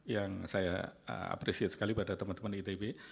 yang saya apresiasi sekali pada teman teman itb